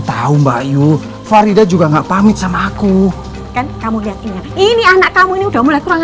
tahu mbak ayu farida juga enggak pamit sama aku kan kamu yakin ini anak kamu ini udah mulai kurang